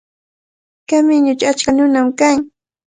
Kamiñuchaw achka nunam kan.